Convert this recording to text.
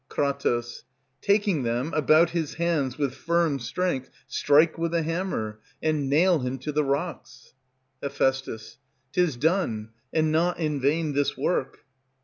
Kr. Taking them, about his hands with firm strength Strike with the hammer, and nail him to the rocks. Heph. 'T is done, and not in vain this work.